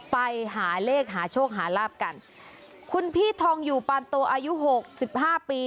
ไปหาเลขหาโชคหาลาบกันคุณพี่ทองอยู่ปานโตอายุหกสิบห้าปี